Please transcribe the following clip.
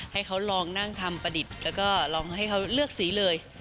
ให้เขาลองนั่งทำประดิษฐ์แล้วก็ลองให้เขาเลือกสีเลย